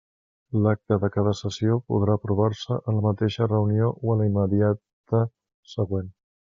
L'acta de cada sessió podrà aprovar-se en la mateixa reunió o en la immediata següent.